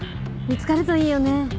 見つかるといいよね。